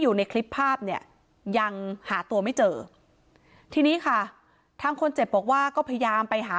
อยู่ในคลิปภาพเนี่ยยังหาตัวไม่เจอทีนี้ค่ะทางคนเจ็บบอกว่าก็พยายามไปหา